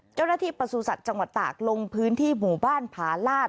เจ้าหน้าที่ประสูจน์สัตว์จังหวัดตากลงพื้นที่หมู่บ้านผาลาด